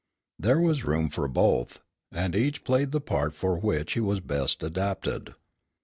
There was room for both, and each played the part for which he was best adapted.